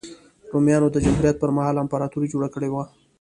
رومیانو د جمهوریت پرمهال امپراتوري جوړه کړې وه.